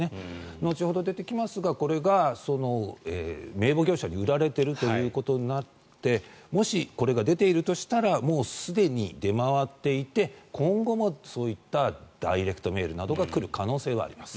後ほど出てきますがこれが名簿業者に売られているということになってもし、これが出ているとしたらもうすでに出回っていて今後もそういったダイレクトメールなどが来る可能性はあります。